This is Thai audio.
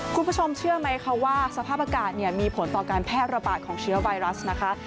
คุณผู้ชมเชื่อไหมคะว่าสภาพอากาศเนี่ยมีผลต่อการแพร่ระบาดของเชื้อไวรัสนะคะ